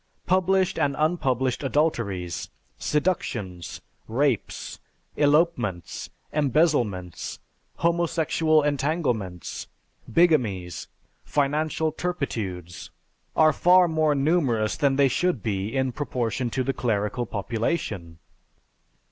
Published and unpublished adulteries, seductions, rapes, elopements, embezzlements, homosexual entanglements, bigamies, financial turpitudes, are far more numerous than they should be in proportion to the clerical population.